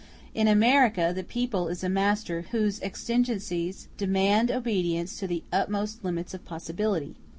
In America the people is a master whose exigencies demand obedience to the utmost limits of possibility.